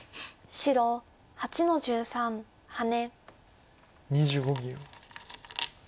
黒８の十二ハネ。